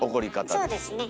そうですね。